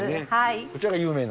こちらが有名な？